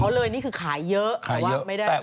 เขาเลยนี่คือขายเยอะแต่ว่าไม่ได้